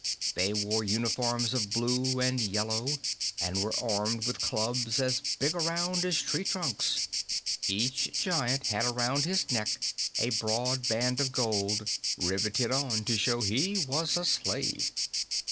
They wore uniforms of blue and yellow and were armed with clubs as big around as treetrunks. Each giant had around his neck a broad band of gold, riveted on, to show he was a slave.